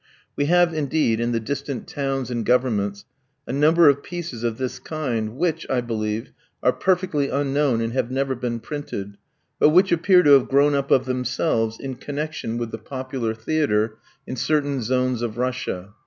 We have, indeed, in the distant towns and governments, a number of pieces of this kind, which, I believe, are perfectly unknown and have never been printed, but which appear to have grown up of themselves, in connection with the popular theatre, in certain zones of Russia.